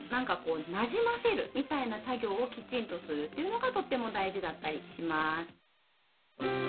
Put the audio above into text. なじませるみたいな作業をきちんとするっていうのがとっても大事だったりします。